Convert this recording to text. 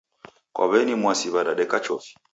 Kwa w'eni Mwasi wadadeka chofi.